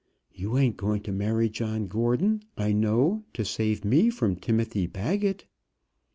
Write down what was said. You ain't going to marry John Gordon, I know, to save me from Timothy Baggett!"